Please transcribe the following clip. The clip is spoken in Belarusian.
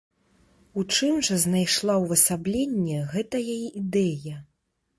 У чым жа знайшла ўвасабленне гэтая ідэя?